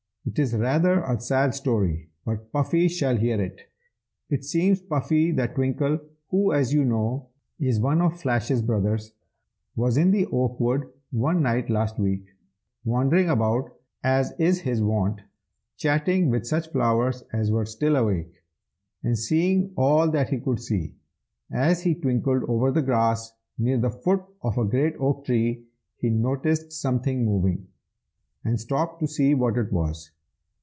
It is rather a sad story, but Puffy shall hear it. It seems, Puffy, that Twinkle, who, as you know, is one of Flash's brothers, was in the oak wood one night last week, wandering about as is his wont, chatting with such flowers as were still awake, and seeing all that he could see. As he twinkled over the grass near the foot of a great oak tree, he noticed something moving, and stopped to see what it was.